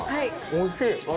おいしい！